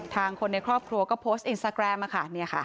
คนในครอบครัวก็โพสต์อินสตาแกรมค่ะ